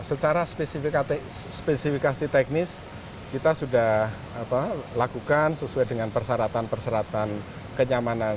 secara spesifikasi teknis kita sudah lakukan sesuai dengan persyaratan persyaratan kenyamanan